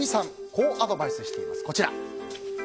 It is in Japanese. こうアドバイスしています。